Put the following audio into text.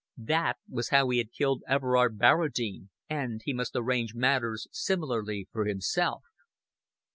That was how he had killed Everard Barradine; and he must arrange matters similarly for himself.